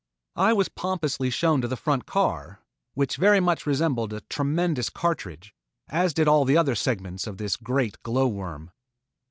I was pompously shown to the front car, which very much resembled a tremendous cartridge as did all of the other segments of this great glow worm.